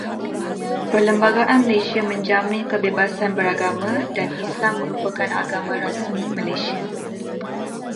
Perlembagaan Malaysia menjamin kebebasan beragama, dan Islam merupakan agama rasmi Malaysia.